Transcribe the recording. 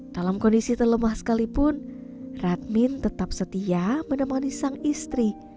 dalam kondisi terlemah sekalipun radmin tetap setia menemani sang istri